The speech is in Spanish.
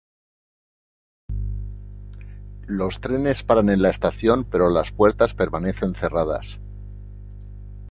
Los trenes paran en la estación pero las puertas permanecen cerradas.